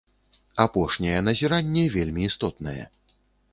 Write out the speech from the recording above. Апошняе назіранне вельмі істотнае.